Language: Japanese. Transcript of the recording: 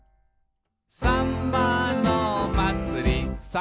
「さんまのまつり」「さん」